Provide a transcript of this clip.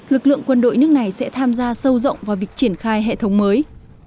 lực lượng quân đội nước này sẽ tham gia sâu rộng vào việc triển khai hệ thống mới